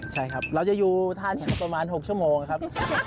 ใช่ครับเราจะอยู่ท่าแถวประมาณ๖ชั่วโมงครับ